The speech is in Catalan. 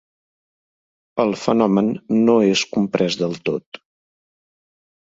El fenomen no és comprès del tot.